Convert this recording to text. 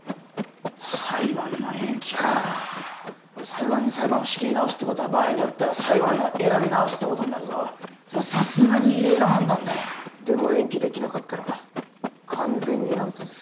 裁判の延期かあ裁判員裁判を仕切り直すってことは場合によっては裁判員を選び直すってことになるそれはさすがに異例の判断だでも延期できなかったら完全にアウトです